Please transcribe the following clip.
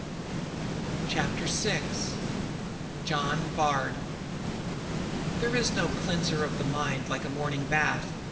CHAPTER VI JOHN BARD There is no cleanser of the mind like a morning bath.